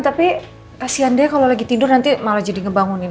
tapi kasian dia kalau lagi tidur nanti malah jadi ngebangunin